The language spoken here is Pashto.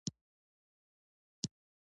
کوچیان د افغانستان د ولایاتو په کچه توپیر لري.